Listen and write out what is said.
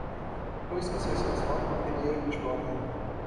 تو اس کے سیاسی اثرات ملک کے لیے خوشگوار نہیں ہوں۔